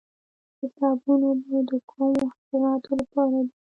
د صابون اوبه د کومو حشراتو لپاره دي؟